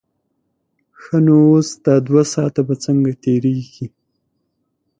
ښه نو اوس دا دوه ساعته به څنګه تېرېږي.